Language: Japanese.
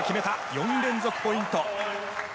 ４連続ポイント。